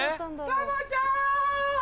珠ちゃん！